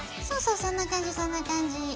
そうそうそんな感じそんな感じ。